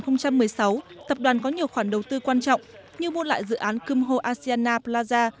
năm hai nghìn một mươi sáu tập đoàn có nhiều khoản đầu tư quan trọng như mua lại dự án kumho asiana plaza